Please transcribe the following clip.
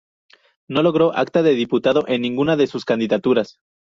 No logró acta de diputado en ninguna de sus candidaturas.